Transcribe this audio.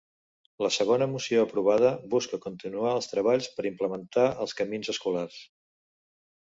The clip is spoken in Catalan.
La segona moció aprovada busca continuar els treballs per implementar els camins escolars.